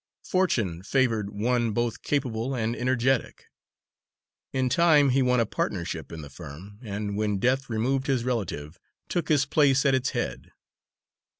Fortune favoured one both capable and energetic. In time he won a partnership in the firm, and when death removed his relative, took his place at its head.